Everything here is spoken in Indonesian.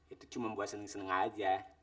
itu cuma buat seneng seneng aja